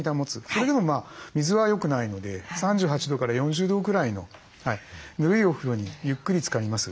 それでも水はよくないので３８度から４０度ぐらいのぬるいお風呂にゆっくりつかります。